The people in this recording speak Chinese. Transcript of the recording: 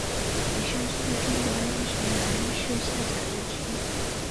雨山区是中国安徽省马鞍山市下辖的区。